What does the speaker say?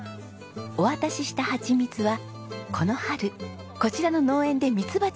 お渡ししたハチミツはこの春こちらの農園でミツバチが集めたものなんです。